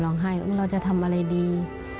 ร้องไห้ว่าเราจะทำอะไรดี